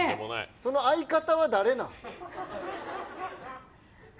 その相方は誰なん？